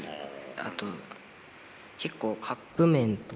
あと結構カップ麺とか。